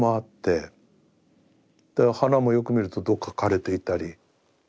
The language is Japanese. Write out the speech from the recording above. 花もよく見るとどこか枯れていたり。